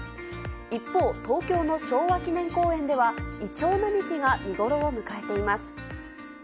一方、東京の昭和記念公園では、イチョウ並木が見頃を迎えています。